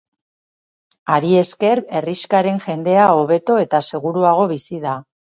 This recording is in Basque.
Hari esker herrixkaren jendea hobeto eta seguruago bizi da.